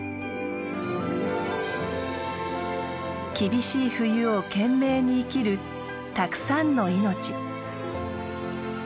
厳しい冬を懸命に生きるたくさんの命。